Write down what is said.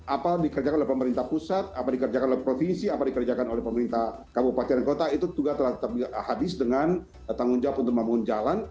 apa dikerjakan oleh pemerintah pusat apa dikerjakan oleh provinsi apa dikerjakan oleh pemerintah kabupaten kota itu juga telah habis dengan tanggung jawab untuk membangun jalan